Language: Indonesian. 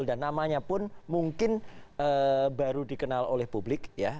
dan namanya pun mungkin baru dikenal oleh publik